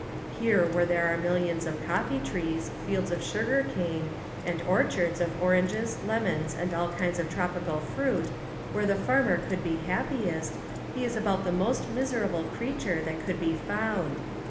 Here where there are millions of coffee trees, fields of sugar cane and orchards of oranges, lemons and all kinds of tropical fruit, where the farmer could be happiest, he is about the most miserable creature that could be found.